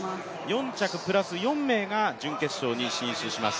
４着プラス４名が準決勝に進出します。